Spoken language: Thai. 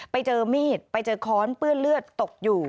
ไปเจอมีดไปเจอค้อนเปื้อนเลือดตกอยู่